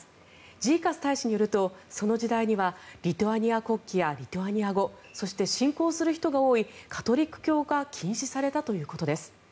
ジーカス大使によるとその時代にはリトアニア国旗やリトアニア語そして、信仰する人が多いカトリック教が禁止されたということです。